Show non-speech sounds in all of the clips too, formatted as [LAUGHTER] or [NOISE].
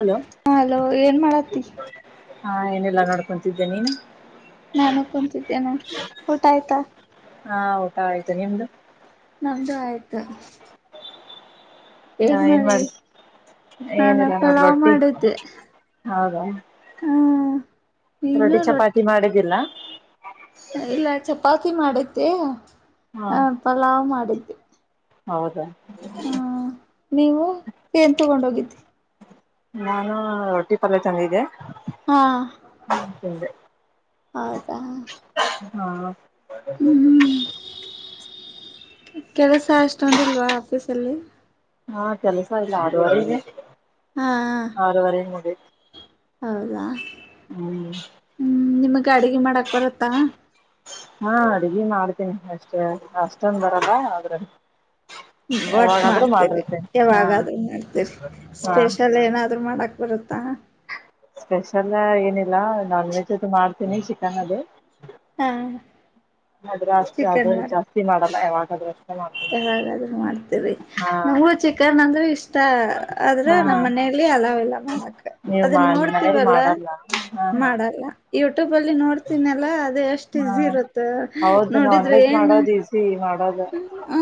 Hello ಹಾ hello ಏನ್ ಮಾಡತ್ತಿ. ಹಾ ಏನೆಲ್ಲಾ ನೋಡು ಕುಂತಿದ್ದೆ ನೀನು. ನಾನು ಕುಂತಿದ್ದೆ ನೋಡು ಊಟ ಆಯ್ತಾ. ಹಾ ಊಟ ಆಯ್ತು ನಿಮ್ದು ನಮ್ದು ಆಯ್ತು. ಹ ಏನ್ ಮಾಡ ಮಾಡಿರೀ ನಾವ್ ಏನಿಲ್ಲ ನೋಡ್ ಪಲಾವ್ ರೊಟ್ಟಿ ಮಾಡಿದ್ದೆ. ಹೌದಾ ಹಾ ರೊಟ್ಟಿ ಚಪಾತಿ ಮಾಡಿದಿಲ್ಲ ಇಲ್ಲ ಚಪಾತಿ ಮಾಡಿದ್ದೆ ಹಾ ಹ ಪಲಾವ್ ಮಾಡಿದ್ದೆ. ಹೌದಾ ಹಾ ನೀವು ಏನ್ ತಗೊಂಡ್ ಹೋಗಿದಿ. ನಾನು ರೊಟ್ಟಿ ಪಲ್ಯ ತಂದಿದ್ದೆ. ಹಾ ಹ್ಮ ತಿಂದೆ ಹೌದಾ ಹಾ ಹ್ಮ್ ಕೆಲಸ ಅಷ್ಟೊಂದಿಲ್ವಾ ಆಫೀಸಲ್ಲಿ. ಹಾ ಕೆಲಸ ಇಲ್ಲ ಆರೂವರೆಗೆ. ಹಾ ಹಾ ಹೌದಾ ಹ್ಮ್ ಹ್ಮ್ ನಿಮಗ್ ಅಡಗೆ ಮಾಡಕ್ ಬರುತ್ತಾ ಹಾ ಅಡ್ಗಿ ಮಾಡ್ತೀನಿ ಅಷ್ಟೇ ಅಷ್ಟೊಂದ ಬರಲ್ಲ ಅದ್ರಲ್ಲಿ ಬಟ್ ಮಾಡ್ತರಿ ಹಾ ಯಾವಾಗಾದ್ರು ಮಾಡ್ತೀರಿ ಹಾ ಸ್ಪೆಷಲ್ ಏನಾದ್ರು ಮಾಡಕ್ ಬರುತ್ತೆ ತ್ತಾ ಸ್ಪೆಷಲ್ ಏನಿಲ್ಲ ನಾನ್ ವೆಜ್ ಅದು ಮಾಡ್ತೀನಿ ಚಿಕನ್ ಅದು ಹಾ ಅದು ಅಷ್ಟೇ ಚಿಕನ್ ಅದ್ರಲ್ಲಿ ಮಾಡಿ ಜಾಸ್ತಿ ಮಾಡಲ್ಲ ಯಾವಾಗಾದ್ರೆ ಅಷ್ಟೇ ಮಾಡ್ತೀನಿ ಯಾವಾಗಾದ್ರೂ ಮಾಡ್ತೇರೀ ಹಾ ನಮುಗು ಚಿಕನ್ ಅಂದ್ರೆ ಇಷ್ಟ ಇಷ್ಟ ಆದ್ರೆ ಹಾ ನಮ್ಮ್ ಮನೇಲಿ ಅಲಾವೆಲ್ಲ ಮಾಡಕ್ ನೀವು ಮಾ ಅದನ್ನ ನಿಮ್ ಮನೇಲಿ ನೋಡ್ತಿೀವಲ್ಲ ಮಾಡಲ್ಲ ಹಾ ಹಾ ಮಾಡಲ್ಲ ಯೂಟ್ಯೂಬ ಅಲ್ಲಿ ನೋಡ್ತೀನಲ್ಲಾ ಅದು ಎಷ್ಟು ಹಾ ಈಜಿ ಇರುತ್ತೆ ನೋಡಿದ್ರೆ ಏನ್ ಸಿಹಿ ಮಾಡೋದು ಹ್ಮ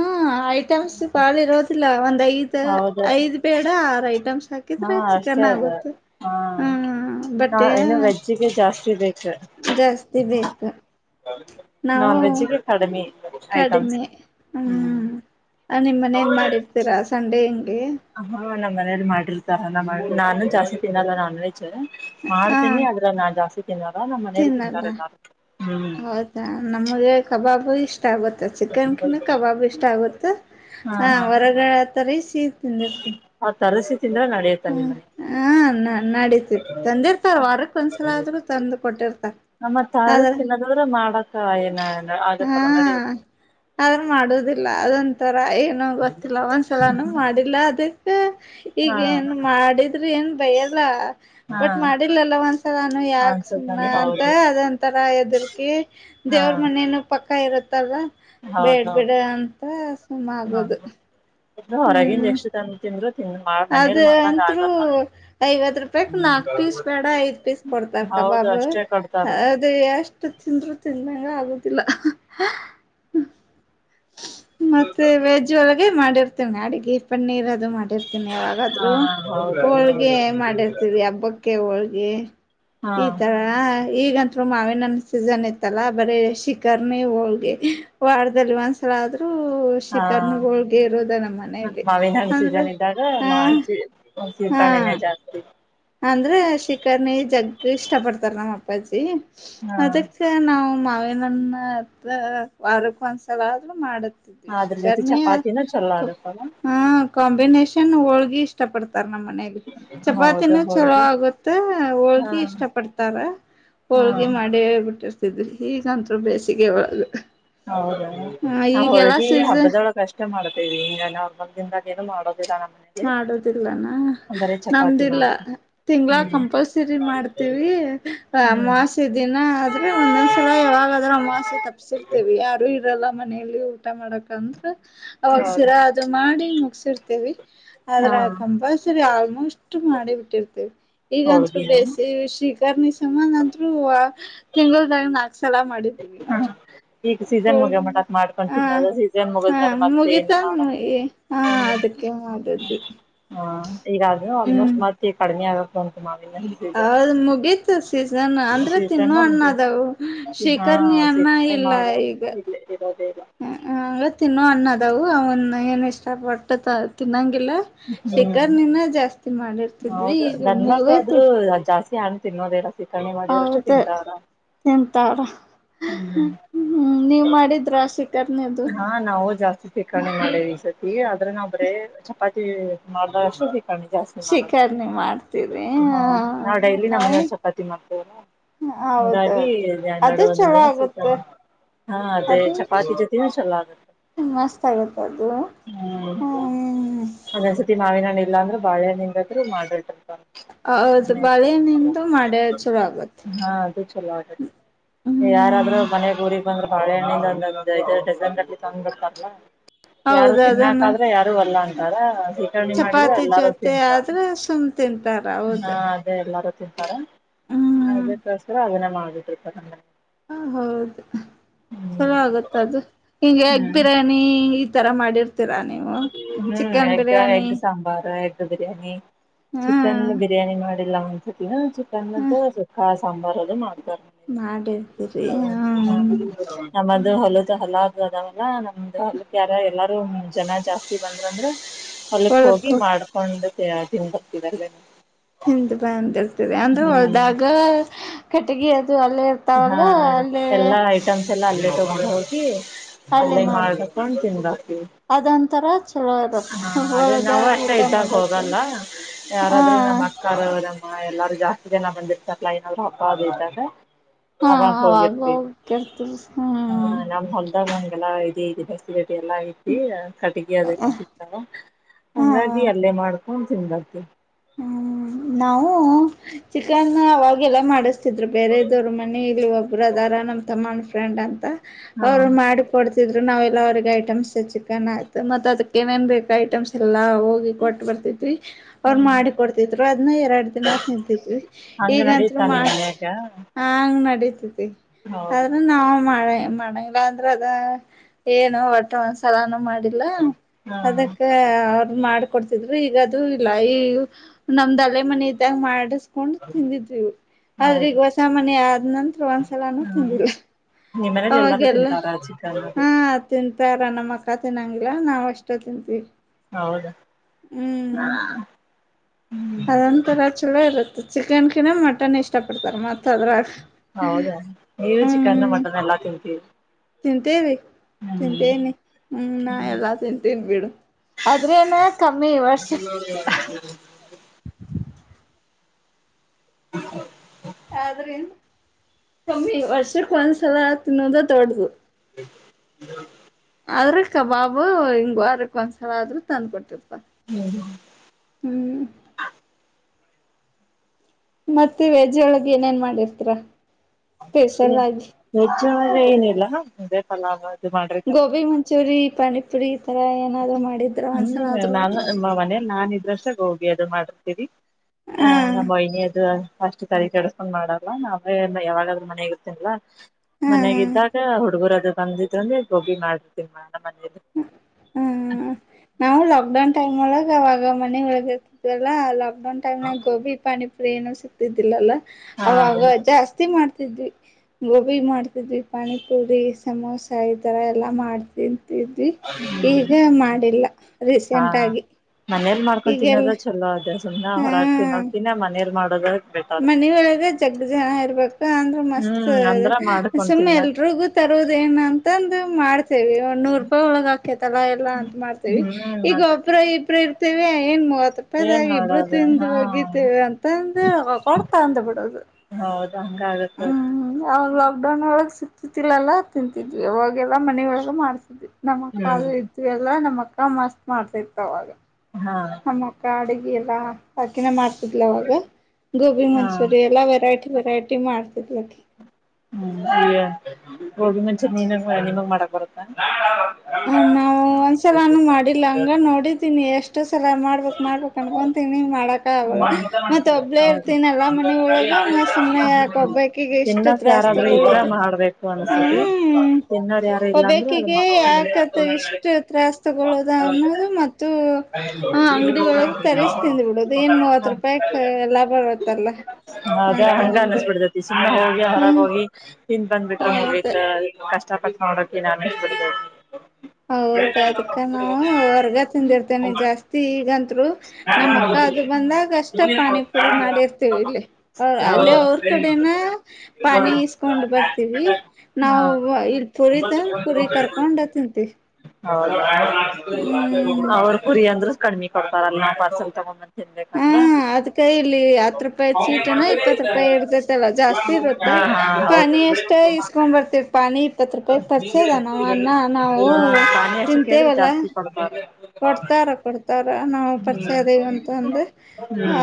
ಐಟಮ್ಸ್ ಬಾಳ ಇರೋದಿಲ್ಲ ಒಂದ್ ಐದ್ ಹೌದು ಐದ್ ಬೇಡ ಆರು ಐಟಮ್ಸ್ ಹಾ ಹಾಕಿದ್ರೆ ಅಷ್ಟೇ ಚಿಕನ್ ಅದು ಆಗುತ್ತೆ ಹ್ಮ್ಮ್ ಬಟ್ಟೆ ಹೆಿಗೆ ಜಾಸ್ತಿ ಬೇಕ್ರೆ ಜಾಸ್ತಿ ಬೇಕು ನಾವು ನಾನ್ವೆೆಜ್ಜಿಗೆ ಕಡಿಮೆ ಐಟಮ್ಸ್ ಕಡಿಮೆ ಹ್ಮ್ ನಿಮ್ಮ ಮನೇನ್ ಮಾಡಿರ್ ಸರ ಸಂಡೇ ಅಂಗೇ ಹಾ ನಮ್ಮ್ ಮನೇಲಿ ಮಾಡಿರ್ತಾರಲ್ಲ ಮಾಡ ನಾನು ಜಾಸ್ತಿ ತಿನ್ನಲ್ಲ ನಾನ್ವೆಜ್ ಹ ಮಾಡ್ತೀನಿ ಅದ್ರ ನಾನ್ ಜಾಸ್ತಿ ತಿನ್ನಲ್ಲ ನಮ್ಮ್ ಮನೇಲಿ ತಿನ್ನಲ್ಲ ತಿಂತಾರೆ ಎಲ್ಲಾರು ಹ್ಮ್ ಹೌದಾ ನಮಗೆ ಕಬಾಬ್ ಇಷ್ಟ ಇಷ್ಟ ಆಗುತ್ತೆ ಚಿಕನ್ಕಿನ ಕಬಾಬ್ ಇಷ್ಟ ಆಗುತ್ತ ಹಾ ಹ ಹಾ ಹೊರಗಡೆ ತರಿಸೀ ತಿಂದಿರ್ತೀನು ಹಾ ತರಿಸಸಿ ತಿಂದ್ರ ನಡೆಯತ್ತ ನಿಮ ಮನೆಯಲ್ಲಿ ಹ ನಡೀತಿತಿ ತಂದಿರ್ತಾರ ವಾರಕ್ ಒಂದ್ಸಲ ಆದ್ರರು ತಂದು ಕೊಟ್ಟಿರ್ತಾರ ಮತ್ತೆ ಆದ್ರ ಅಳಿಸ್ತಿಲ್ಲ ಅದು ಮಾಡ ಕ ಏನ ಹಾ ಆಗತ್ತಲ್ಲ ನಡಿಯ ಆದ್ರ ಮಾಡುದಿಲ್ಲ ಅದೊಂತರ ಏನು ನಂಗು ಗೊತ್ತಿಲ್ಲವ ಒಂದ್ಸಲಾನ ಮಾಡಿಲ್ಲ ಅದೇ ಹ ಹಾ ಈಗೇಏನ್ ಮಾಡಿದ್ರ ಏನ್ ಭಯಲ್ಲ ಹಾ ಬಟ್ ಮಾಡಿಲಲ್ಲ ಒಂದ್ಸಲನು ಯಾಕ ಸುಮ್ನ ಅನ್ಸತಾನೆ ಅಂತ ಹೌದು ಅದೊಂತರ ಹೆದರ್ಕಿ. ಹಾ ದೇವ್ರ ಮನೇನು ಪಕ್ಕ ಇರತ್ತಲ್ ಬೇಡ್ ಹೌದೌದು ಬಿಡ ಅಂತ ಸುಮ್ ಹಾ ಆಗೋದು. ಹೊರಗಿಂದ ಹ್ಮ್ ಎಷ್ಟ ತಂದ ತಿಂದ್ರು. ತಿನ್ ಅದ ಮನೇಲಿ ಮಾಡ್ದಂಗ ಅಂತ್ರೂ ಆಗಲ್ಲ ಐವತ್ ರೂಪಯಕ್ ನಾಕ್ ಪೀಸ್ ಬೇಡ ಐದ್ ಪೀಸ್. ಕೊಡ್ತಾರ ಹೌದು ಕಬಾಬು ಅಷ್ಟೇ ಕೊಡ್ತಾರ ಹ ದು ಎಷ್ಟ ತಿಂದ್ರು ತಿಂದಂಗ್ ಆಗುದಿಲ್ಲ. ಮತ್ತೆ ವೆಜ್ ಒಳಗೆ ಮಾಡಿರ್ತೀನಿ ಅಡಗಿ ಪನ್ನೀರ್ ಅದು ಮಾಡಿ ಇರ್ತೀನಿ ಹಾ ಯಾವಾಗಾದ್ರೂ ಹೌದು ಹೋಳ್ಗೆ ಮಾಡಿರ್ತೀವಿ ಹಬ್ಬಕ್ ಕ್ಕೆ ಹೊಳ್ಗೆ ಹಾ ಈ ತರ. ಈಗಂತ್ರು ಮಾವಿನ ಹಣ್ಣ ಸೀಸನ್ ಇತ್ತಲ್ಲ ಬರೆ ಶಿಕರ್ನಿ ಹೋಳ್ಗೆ ವಾರದಲ್ಲಿ ಒಂದ್ಸ ಲಾದ್ರು ಹೋಳ ಹಾ ಶಿಖರಣಿ ಹೊಳ್ಗೆ ಇರೋದೆ ನಮ್ಮ ಮನೆಯಲ್ಲಿ ಮಾವಿನ ಅಂದ್ರೆ ಆ ಹ್ಮ್ಮ್ ಶಿಕರ್ಣನೆ ಜಾಸ್ತಿ. ಅಂದ್ರೆ ಶಿಕರ್ನಿ ಜಗ್ ಇಷ್ಟ ಪಡ್ತಾರ ನಮ್ಮ್ ಅಪ್ಪಾಜಿ ಹಾ ಅದಕ್. ಮತ್ತೆ ನಾವು ಮಾವಿನನ್ನತ್ ವಾರಕ್ ಒಂದ್ಸಲ ಆದ್ರು ಮಾಡು ಅದ್ರ ಜೊತೆ ಶಿಕರ್ಣಿ ಚಪಾತಿನ ಚಲೋ ಕು ಆಗತ್ತಲ್ಲ ಹ್ಮ್ಮ್. ಕ್ವಾಂಬಿನೇಷನ್ ಹೋಳ್ಗಿ ಇಷ್ಟ ಪಡ್ತಾರ ನಮ್ಮ್ ಮನೆಲಿ. ಹೌದ. ದ್ನು ಚಲೋ ಆಗುತ್ತ ಹೋಳ್ಗಿ ಇಷ್ಟ ಪಡ್ತಾರ ಹೋಳ್ಗಿ ಹಾ ಮಾಡಿ. ಹೇಳ ಬಿಟ್ಟಿರ್ತಿದ್ವಿ ಹೀಗಂತ್ರು ಬೇಸಿಗೆ ಒಳಗ. ಹೌದ ಹ ಆ ಈಗೆಲ್ಲಾ ಹೋಳಗಿ ಸೀಸನ್ ಹಬ್ಬದೊಳಗ. ಕಸ್ಟೆ ಮಾಡ್ತೇವಿ ಇ ನಾರ್ಮಲ್ ದಿಂದಾಗ ಏನು ಮಾಡೋದಿಲ್ಲಾ ನಮ್ಮ ಮನೆ ಮಾಡೋದಿಲ್ಲನಾ ನಮ್ದಿಲ್ಲ. ಮಾಡ್ತೇವಿ ತಿಂಗಳ ಹ್ಮ್ ಕಂಪಲ್ಸರಿ ಮಾಡ್ತೀವಿ ಹ್ಮ್ ಅಮಾವಸೆ ದಿನ ಆದ್ರೆ ಒಂದೊಂದ ಸಲಾ ಯವಾಗದ್ರು ಅಮವಾಸ್ಯೆ. ತಪ್ಪಸೀರ್ತೀವಿ ಯಾರು ಇರಲ್ಲ ಮನೆಯಲ್ಲಿ ಊಟ ಮಾಡಕ ಅಂದ್ರ ಅವಾಗ ಹೌದಾ ಶಿರಾ ಇದು ಮಾಡಿ ಮುಗಸೀರ್ತೀವಿ. ಹಾ ಆದ್ರ ಕಂಪಲ್ಸರಿ ಆಲ್ಮೋಸ್ಟ್ ಮಾಡಿ ಬಿಟ್ಟಿರ್ತೀವಿ ಈಗಂತ್ರು ಹೋಳ್ಗಿನ ಬೇಸಗೆ ವಿಷ ಕರ್ನಿ ಸುಮನಂತ್ರು ತಿಂಗಳದಾಗ ನಾಕ್ ಸಲ ಮಾಡಿದೀವಿ ಹಾ ನೋಡ್ರಿ. ಈಗ ಹ ಸೀಸನ್ ಮುಗಿಯೋ ಮಟಕ್ ಮಾಡ್ಕೊಂಡ್ ಹಾ ತಿನ್ನೋದು ಸೀಸನ್ ಹಾ ಮುಗಿದ್ಮೇಲೆ ಮತ್ತೆ ಮುಗಿತ ಏನು [UNINTELLIGIBLE] ಮಾಡಕ್ ಚ ಹಾ ಅದಕ್ಕೆ ಮಾಡಿದ್ವಿ. ಹಾ ಈಗಾಗ್ಲೆ ಆಲ್ಮೋಸ್ಟ್ ಹ್ಮ್ ಮತ್ ಈಗ ಕಡಿಮೆ ಆಗಕ್ ಬಂತು ಮಾವಿನಲ್ಲಿ ಆದ್ರ ಮುಗಿತ್. ತು ಸೀಜನ್ ಅಂದ್ರೆ ಸೀಸನ್ ತಿನ್ನು ಹಣ್ಣ ಮುಗಿಯೋದು ಅದವು ಹಾ ಶಿಖರ್ನಿ ಹಣ್ಣ ಇಲ್ಲ ಈಗ. ದೇ [UNINTELLIGIBLE] ಹ್ ಹ್ ಹಂಗ ತಿನ್ನುವ ಹಣ್ಣ ಅದವು ಅವನ್ ಏನ ಇಷ್ಟಪಟ್ಟು ತಿನ್ನಂಗಿಲ್ಲ. ಹ್ಮ್ ಶಖರ್ನಿನ ಜಾಸ್ತಿ ಮಾಡಿರ್ತಿದ್ವಿ ಹೌದು ಈಗ ಗಂಡ ಮುಗದೊಯ್ತು. [UNINTELLIGIBLE] ಜಾಸ್ತಿ ಹಣ್ಣ. ತಿನ್ನಬೇಡ. ಹೌದ ತಿಂತಾರ. ಹ್ಮ ಹ್ಮ್ ನೀವ್ ಮಾಡಿದ್ರ ಶಿಖರ್ಣಿದು. ಹಾ ನಾವು ಜಾಸ್ತಿ ಶಿಖರ್ಣಿ ಮಾಡೇವಿ ಈ ಸತಿ ಆದ್ರ ನಾವು ಬರೆ ಚಪಾತಿ ಮಾಡ್ದಗ ಅಷ್ಟ ಕರ್ಣಿ ಜಾಸ್ತಿ ಮಾಡೋದು ಶಿಖರ್ನಿ ಮಾಡ್ತೀರಿ ಹ ನಾವು ಡೈಲಿ ನಾವು ನಮ್ಮನೆಲಿ ಚಪಾತಿ ಮಾಡ್ತೇವಲ್ಲ. ಹಂಗಾಗಿ ಹೌದೌದು ಅದು ನಡು ಒಂದೊಂದ ಚಲೋ ದಿನ ಆಗುತ್ತೆ ಶಿಖರ್ಣಿ ಹ ಅದೇ ಅದು ಚಪಾತಿ ಜೊತ ದಿನಷ ಎಲ್ಲ ಆಗುತ್ತೆ ಮಸ್ತ್ ಆಗುತ್ತೆ ಅದು ಹ್ಮ್ [UNINTELLIGIBLE] ನಾವೇನನ ಇಲ್ಲ ಅಂದ್ರೇ [UNINTELLIGIBLE] ಹೌದು ಬಳಿ ನಿಂದು ಮಾಡ್ಯಾ ಚಲೊ ಆಗುತ್ತೆ. ಹಾ ಅದು ಚಲೋ ಆಗುತ್ತೇ. ಯಾರಾದ್ರರು ಹ್ಮ್ ಮನೆಗ್ ಊರಿಗ್ ಬಂದ್ರೆ ಬಾಳೆಣ್ಣಿಂದ [UNINTELLIGIBLE] ಜನ್ ಗಡ್ಲಿ ತಂದ್ ಬಿಡ್ತಾರಲ್ಲ ಯಾರು ಹೌದು ಅದನ್ನ ತಿನ್ನಾಕಾದ್ರೆ ಯಾರು ಅಲ್ಲ ಅಂತಾರ. ಶೇಖರಣಿ ಮಾಡಿದ್ರೆ ಚಪಾತಿ ಎಲ್ಲಾರು ಜೊತೆ ತಿಂತಾರ ಆದ್ರೆ ಸುಮ್ ತಿಂತಾರ ಹಾ ಹೌದು ಅದೇ ಎಲ್ಲಾರು ತಿಂತಾರ. ಹಾ ಹ್ಮ್ ಇದಕ್ಕೋಸ್ಕರ ಅದನ್ನೇ ಮಾಡ್ಬಿಟ್ರ್ [UNINTELLIGIBLE] ಹ ಹೌದು ಚಲೋ ಆಗುತ್ತ್ [UNINTELLIGIBLE] ದು ಹಿಗೆ ಎಗ್ ಹ್ಮ್ ಬಿರಿಯಾನಿ ಈ ತರ ಮಾಡಿರ್ತೀರಾ ನೀವು. ಹ್ಮ್ chicken egg biryani egg sambar egg biryani. Chicken ಹ್ಮ್ ಬಿರಿಯಾನಿ ಮಾಡಿಲ್ಲ ಒಂದಸತಿನು ಹ್ಮ ಚಿಕನ್ದು ಸುಕ್ಕ ಸಾಂಬಾರ್ ಅದು ಮಾಡ್ತಾರೆ. ಮಾಡಿರ್ತೀರಿ ಹ ಹ್ಮ್ ನಮ್ಮದು ಹ್ಮ್ ಹೊಲದು ಹಲದು ಅದಾವಲ್ಲ ನಮ್ದು ಹಲಕಾರ ಎಲ್ಲಾರೂ. ಜನ ಜಾಸ್ತಿ ಬಂದ್ರು ಅಂದ್ರೇ ಹೊಲಕ್ ಹೋಗಿ ಹೊಳಕ್ಕೂ ಮಾಡ್ಕೊಂಡು ತಿನ್ ಬರ್ತಿವ್ ಅಲ್ಲೇ. ಹಿಂದ ಬಂದಿರ್ತಿವಿ ಅಂದ್ರೆ ಹೊಲದಾಗ ಕಟ್ಟಗಿ ಅದು ಅಲ್ಲೇ. ಇರ್ತಾವಲ್ಲ ಅಲ್ಲೇ. ಎಲ್ಲ ಅಲ್ಲೇ ತಗೊಂಡ್ ಹೋಗಿ ಅಲ್ಲೇ ಮಾಡಬೇಕೊಂಡು ತಿಂದ್ ಬರ್ತೀವಿ. ಅದೊಂತರ. ಚಲೋ ಇರತ್ತ ಅದೇ ನಾವು ಹೋಲದಾಗ ಅಷ್ಟೇ ಊಟ ಇದ್ದಾಗ ಮಾಡದು ಹಾ. [UNINTELLIGIBLE] ದಮ್ಮ ಎಲ್ಲಾರೂ ಜಾಸ್ತಿ ಜನ ಬಂದಿರ್ತರಲ್ಲ ಏನಾದ್ರು ಹಬ್ಬ ಅದು ಇದು ಇದ್ದಾಗ. ಹಾ ಅವಾಗ ಹೋಗಿರ್ತಿವಿ ಅವಾಗೋಗ ಕೆರ್ತಿರಿ ಹ್ಮ್. ಮಂಗಲ ಇದೆ ಇ ಬಸ್ ಜಡಿ ಎಲ್ಲಾ ಐತಿ ಕಟಗಿ ಅದೆಲ್ಲ. ಹಂಗಾಗಿ ಹ್ಮ್ ಅಲ್ಲೇ ಮಾಡ್ಕೊಂಡು ತಿಂದ್ ಬರ್ತೀವಿ. ಹ್ಮ್ ನಾವು ಚಿಕನ್ ಅವಾಗೆಲ್ಲ ಮಾಡಿಸ್ತಿದ್ರು ಬೇರೆದವರ್ ಮ ಇಲ್ಲಿ ಈಗಲೂ ಒಬ್ಬ್ರ ಅದರ ನಮ ತಮ್ಮ ಫ್ರೆಂಡ್ ಅಂತ ಹಾ ಅವ್ರು ಮಾಡಿ. ಕೊಡ್ತಿದ್ರು ನಾವೆಲ್ಲ ಅವ್ರಿಗೆ ಐಟಮ್ಸ್ ಚಿಕನ್ ಆಯತು ಮತ್ತ ಅದಕ್ಕ ಏನೇನ್ ಬೇಕ ಐಟಮ್ಸ್. ಎಲ್ಲಾ ಹೋಗಿ ಕೊಟ್ಟ್ ಬರ್ತಿದ್ವಿ. ಅವರು ಹ್ಮ್ ಮಾಡಿಕೊಡ್ತಿದ್ರು ಅದ್ನ ಎರಡ್ ದಿನ ನಿಂತಿದ್ವಿ ಹಂಗ ಈಗಂತ್ರು ನಡೀತಾ ನಿಮ್ ಮಾಡ್ಸಿ. ಮನ್ಯಾಗ ಹಂಗ್ ನಡತತಿ ಹೌದು ಆದ್ರ ನಾವು ಮಳೆ ಮಡಂಗ್ [UNINTELLIGIBLE] ಲ್ಲ ಅಂದ್ರೆ ಅದ ಏನು ಒಟ್ಟೆ ಒಂದ್ಸಲಾನು ಮಾಡ್ [UNINTELLIGIBLE] ಲ್ಲ ಹಾ ಅದಕ್ಕೆ ಅವರು ಮಾಡ್ಕೊಡ್ತಿದ್ರು ಈಗದು. ಲ್ಲಯು ನಮ್ದ್ ಅಲೆ ಮನ ಇದ್ದಾಗ ಮಾಡಿ. [UNINTELLIGIBLE] ಕೊಂಡು ತಿಂದಿದವಿ, ಆದ್ರೇ ಹೌದು ಈಗ ಹೊಸ ಮನೆ ಆದ ನಂತ್ರ ಒಂದ್ಸಲಾನೂ ತಿಂದಿಲ್ಲ. ನಿಮ್ಮನೇಲಿ ಎಲ್ಲಾರೂ ತಿಂತಾರ ಚಿಕ್ಕನ್ ಮಟ್ಟನ್ನು. ತಿಂತಾರೆ ನಮ್ಮ ಅಕ್ಕ ತಿನ್ನಂಗಿಲ್ಲ ನಾವು ಅಷ್ಟೇ ತಿಂತೀವಿ. ಹೌದು ಹ ಅದೊಂಂತರ ಚಲೋ ಇರುತ್ತೆ ಚಿಕನ್ ಕಿನ ಮಟನ್ ಇಷ್ಟ ಪಡ್ತಾರ ಮತ್ ಅದ್ರಾಗ. ಹೌದಾ ನೀವು ಚಿಕ್ಕನ್ನು ಮಟ್ಟನ್ನ್ ಎಲ್ಲಾ ತಿಂತೀರಿ. ತಿಂತೀವಿ ಹ್ಮ್ ತಿಂತೇನಿ ಹ್ಮ ನಾ ಹ್ಮ್ ಎಲ್ಲಾ ತಿಂತೀನ್ ಬಿಡು. ಅದ್ರೇನ ಕಮ್ಮಿ ಈ ವರ್ಷ. ಹ [UNINTELLIGIBLE] [UNINTELLIGIBLE] [UNINTELLIGIBLE] ಆದ್ರು ಕಮ್ಮಿ ವರ್ಷಕ್ ಒಂದ್ಸಲ ತಿನ್ನೋದ ದೊಡ್ಡದು. ಹ ಹ [UNINTELLIGIBLE] ಅದ್ರ ಕಬಾಬು ಹಿಂಗ ವಾರಕ್ ಒಂದ್ಸಲ ಆದ್ರೂ ತಂದ್ ಕೊಡ್ತಿಪ ಹ್ಮ ಹ್ಮ್ ಮತ್ತೆ ವೆಜ್ ಒಳಗೆ ಏನೇನ್ ಮಾಡಿರತಿರ ಸ್ಪೆಷಲ್ ಹ್ಮ್ ಆಗಿ ವೆಜ್ ಒಳಗ ಏನಿಲ್ಲ ಅದೇ ಫಲಾವ ಗೋಬಿ ಮಂಚೂರಿ ಪಾನಿಪುರಿ ಈಥರ ಏನಾದ್ರು ಮಾಡಿದ್ರೆ ಒಂದ್ಸಲ ಆದ್ರರು ನಮ್ಮ ಮನೇಲಿ ನಾನ್ ಇದ್ರಷ್ಟಾ ಗೋಬಿ ಅದು ಮಾಡಿರ್ತೀವಿ ಹಾ ಆಹ ನಮ್ಮ ವೈನಿ ಅದು ಅಷ್ಟ ತಲೇ ಕೆಡಸ್ಕೊಂಡ್ ಮಾಡಲ್ಲ ನಾ ಅವೇ ಯಾವಾಗಾದ್ರ ಮನೆಗ ಇರ್ತನ್ಲಾ ಮನೆಗ್ ಹಾ ಇದ್ದಾಗ ಹುಡುಗರದು ಬಂದಿದ್ರಂದೆ ಗೋಬಿ ಮಾಡತನ್ ನನ್ ಮಾಡ್ತೇನಿ ಹ್ಮ್ ನಾವು ಲಾಕ್ ಡಾನ್ ಟೈಮ್ ಒಳಗೆ ಅವಾಗ ಮನೆ ಒಳಗ ಇರತಿದವಲ್ ಲಾಕ್ಡೌನ್ ಟೈಮ್ ನಾಗ ಗೋಬಿ ಪಾನಿ ಏನು ಸಿಕ್ತಿದ್ದಿಲ್ಲಲ್ಲ ಹಾ ಅವಾಗ ಜಾಸ್ತಿ ಮಾಡ್ತಿದ್ವಿ. ಗೋಬಿ ಮಾಡ್ತಿದ್ವಿ ಪಾನಿಪುರಿ ಸಮೋಸ ಈ ಥರ ಎಲ್ಲ ಮಾಡ್ತೀದಿ ಇದ್ವಿ ಈಗ ಮಾಡಿಲ್ಲ ರೀಸೆಂಟ್ ಆಗಿ ಮನೇಲಿ ಮಾಡ್ಕೊಂಡ್ ಈಗೆಲ್ಲ ತಿನ್ನೋದ ಚಲೋ ಅದ ಸುಮ್ಮನೆ ಹೊರಗ್ ಹಾ ತಿನ್ನೋದಕಿನ್ ಮನೇಲಿ ಮಾಡೋದ ಬೆಟರ್ ಮನಿ ಒಳಗ ಜಗ್ ಜನ ಇರ್ಬೇಕು ಅಂದ್ರೆ ಮಸ್ತ್ ಹ್ಮ್ ಅಂದ್ರ ಮಾಡ್ಕೊಂಡ್ ಸುಮ್ಮ ತಿನ್ನಕ್ ಎಲ್ಲರಿಗೂ ತರುದೇಏನ ಅಂತಂದು ಮಾಡ್ತೇವಿ ಒಂದ ನೂರು ರೂಪಾಯಿ ಒಳಗ ಆಕೇತಲ್ಲ ಎಲ್ಲಾ ಅಂತ ಮಾಡ್ತೇವಿ. ಹ್ಮ್ ಈಗ ಅದೇ ಒಬ್ರ ಇಬ್ರ ಇರ್ತೇವಿ ಏನ್ ಮುವ್ವತ್ ಏನ್ ರೂಪಾಯಿ ಇಬ್ಬರು ಮಾಡೋದು ತಿಂದು ಹಾ ಒಗಿತೇವ ಅಂತಂದ ಅವ ತಂತ ಬಿಡದು ಹೌದು ಹಂಗ ಆಗತ್ತದು ಹ್ಮ್ ಹ್ಮ್ ಅವಾಗ ಲಾಕ್ ಡೌನ್ ಒಳಗ್ ಸಿಗ್ತಿತಿಲ್ಲಲ್ಲಾ ತಿಂತಿದ್ವಿ ಅವಾಗೆಲ್ಲಾ ಮನಿ ಯೊಳಗ ಮಾಡ್ತಿದ್ವಿ. ನಮ್ಮಕ್ಕ ಹ್ಮ್ ಅಲ್ಲಿ ಇದ್ವಿಲ್ಲಾ ನಮ್ಮಕ್ಕ ಮಸ್ತ್ ಮಾಡತ್ತಿತ ಅವಾಗ್ ಹಾ ನಮ್ಮ ಅಕ್ಕ ಅಡಗೆ ಎಲ್ಲ ಅಕಿನ ಮಾಡ್ತಿದ್ಲ ಅವಾಗ ಗೋಬಿ ಹಾ ಮಂಚೂರಿಯ ಎಲ್ಲ ವೆರೈಟಿ ವೆರೈಟಿ ಮಾಡ್ತಿದ್ದಲ್ ಅಕಿ ಹ್ಮ್ ಈ ಹುಯಾ ಗೋಬಿ ಮಂಚೂರಿ ನೀನಾಗ ನಿಮಗ ಮಾಡಕ್ ಬರತ್ತ ಹ ನಾವು ಒಂದ್ಸಲಾನ ಮಾಡಿಲ್ಲ ಹಂಗ ನೋಡಿದ್ದೀನಿ ಎಷ್ಟ ಇಷ್ಟ ಸಲ ಮಾಡ್ಬೇಕ ಮಾಡ್ಬೇಕು ಅನ್ಕೊಂತೀನಿ ಮಾಡಕ್ ಆಗಲ್ಲ ಮತ್ತ ಒಬ್ಬಳೇ ಇರ್ತೀನಲ್ಲಾ ಮನ ಒಳಗ ಮತ್ ಸುಮ್ನೆ ಯಾಕೆ ಒಬ್ಬಕಿ ಕಿಗೆ ಎಷ್ಟ ತಿನ್ನಕ್ ತ್ರಾಸ್ ಯಾರಾದ್ರೂ ಇದ್ರ ತಗೊಳ್ಳೋದು ಮಾಡ್ಬೇಕು ಅನ್ಸತಿ ಹ್ಮ ತಿನ್ನೋರ್ ಯಾರು ಇಲ್ಲ ಅಂದ್ರೆ ಅದು ಒಬ್ಬಕಿಗೆ ಮಾಡ ಯಾಕ ಇಷ್ಟು ತ್ರಾಸ್ ತಗೊಳ್ಳೋದ ಅನ್ನೋದು ಮತ್ತು ಅಂಗಡಿ ಒಳಗೆ ತರಿಸಿ ತಿಂದ ಬಿಡ ಏನ ಮೂವತ್ ರೂಪಾಯಕ ಎಲ್ಲಾ ಬರ್ತಲ್ಲ ಅಂತ ಅಂದ ಸಮ ಹೋಗಿ ಹೊರಗ ಹ್ಮ್ ಹೋಗಿ ತಿಂದ ಬಂದ್ಬಿಟ್ರೆ ಅಲ ಮುಗೀತ್ ಹೌದು ಕಷ್ಟ ಪಟ್ಟ ಅವರ ಅತ್ತಿ ನೋನ್ ವೆಜ್ ಬದಲಿ ಹೌದ ಅದಕ್ಕ ನಾವು ಹೊರ್ಗ ತಂದಿರ್ತೇನೆ ಜಾಸ್ತಿ ಈಗಂತ್ರು ನಮ್ಮ ಅಕ್ಕ ಅದು ಬಂದಾಗ ಅಷ್ಟ ಇವನೇನ್ ಪಾನಿ ಮಾಡೋದು ಪುರಿ ಮಾಡಿರ್ತೇವ ಇಲ್ಲಿ. ಅವ ಅಲ್ಲೇ ಅವ್ರ ಬೇಡ ಕಡೆನ ಅಂದ್ರ ಟ್ರೈನಿಂಗ್ ಪಾನಿ ಇಸ್ಕೊಂಡ್ ಬರ್ತೀವಿ ನಾವು ಹಾ ಇಲ್ ಪುರಿತ ಪುರಿ ಕರ್ಕೊಂಡ ತಿಂತೀವಿ. ಹೌ ಹ್ಮ್ ಅವ್ರ ಕುರಿ ಅಂದ್ರೂ ಕಣ್ಮಿ ಕೊಡ್ತಾರಲ್ಲಾ ಪಾರ್ಸಲ್ ತಗೊಂಡಂದ ತಿನ್ಬೇಕಂತ್ ಅದ್ಕೈ ಇಲ್ಲಿ ಹತ್ ರೂಪಾಯಿ ಚೀಟನ ಇಪ್ಪತ್ತು ರೂಪಾಯಿ ಹಾ ಇರ್ತತಲ್ಲ ಜಾಸ್ತಿ ಇರುತ್ತತ ಪಾನಿ ಅಷ್ಟ ಇಸ್ಕೊಂಡ್ ಬರ್ತರವೆ ಪಾನಿ ಇಪ್ಪತ್ತು ರೂಪಾಯ ಪರಿಚಯ ಅದನ ಅಣ್ಣ ನಾವು ತಿಂತೇವಲ್ಲ. ಹ [UNINTELLIGIBLE] ಕೊಡ್ತಾರ ಕೊಡ್ತ ತರಾ ನಾವು ಪರಿಚಯ ಅದೇವಿ ಅಂತ ಅಂದ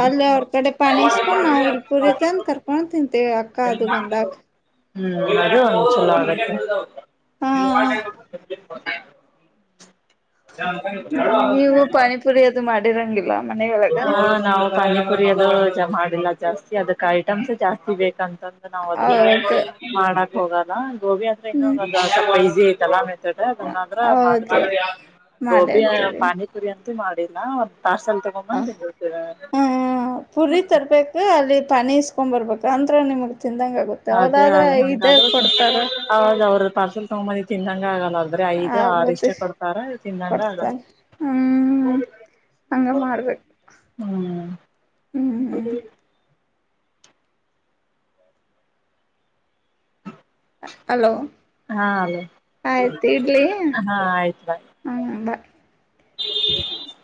ಅಲ್ಲಿ ಅವ್ರ ಕಡೆ ಪಾಣಿ ಇಸ್ಕೊಂಡ್ ನಾವ್ ಇಲ್ ಪುರಿತಂದ ಕರ್ಕ. ಹಾ ತಿಂತೇವಿ ಅಕ್ಕಾ ಅದು ಬಂದಾಗ. ಹು ಅದು ಚೊಲೊಆಗೇತಿ. ಹಾ ಗೊತ್ತಾ ಏನಪಾ ನಂಗು ಹಂಗ. ಪೂರಿ ಅದು ಮಾಡಿರಂಗಿಲ್ಲಾ. ಹಾ ನಾವು ಪಾನಿಪುರಿ ಅದು ಮಾಡಿಲ್ಲಾ ಜಾಸ್ತಿ ಅದಕ್ ಐಟಮ್ಸ್ ಜಾಸ್ತಿ ಬೇಕಂತಂದ. ನಾವ ಅದನ್ನ ಹೌದು ಮಾಡಕ ಹೋಗಲ್ಲಾ ಗೋಬಿ ಅಂದ್ರೆ ಇನ್ನು ಹ್ಮ್ ಸ್ವಲ್ಪ ಇಸಿ ಐತಲ್ಲಾ. ತಲ್ಲ ಅದನ್ನ ಆದ್ರ ಹೌದು ಮಾಡತೆವಿ ಗೋಬಿ ಅ ಮಾಡಿರ್ತೀರಿ ಪಾನಿ ಪುರಿ ಅಂತೂ ಮಾಡಿಲ್ಲಾ ಒಂದ ಪಾರ್ಸಲ್ ಹ ತಗೊಂಬಂದ ತಿನತೇವಿ. ಹ ಪುರಿ ತರಬೇಕ ಅಲ್ಲಿ ಪಾನಿ ಇಸ್ಕೊಂಬರ್ಬೇಕು ಅಂದ್ರ ನಿಮಗ ತಿಂದಂಗ ಆಗುದ. ತೌದ ಹೌದ್ರಾ ಇತ ಕೊಡತಾರ. ಹೌದ ಅವ್ರ ಪಾರ್ಸೆಲ್ ತಗೋ ಬಂದಿದ್ದು ತಿಂದಂಗ ಆಗಲ್ಲದು. ಅಂದ್ರೆ ಐದು ಆರು ಇಷ್ಟ ಆಗುತ್ತೆ ಕೊಡ್ತಾರ ತಿಂದಂಗಾಗಲ್ಲಾ. ಕೊಡ್ತಾರ ಹ್ಮ್ ಬನತಡಿ ಹಂಗ ಮಾಡ್ಬೇಕು ಹು ಹೋಗ ಹ್ಮ್ ಹ್ಮ್ ಹೋಗ. ಹಲೋ ಹಾ ಹಾ ಆಯ್ತು ಬರಿ. ಹಾ ಬಾಯ್. ಕೀ